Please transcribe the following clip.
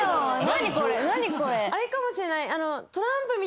あれかもしれない。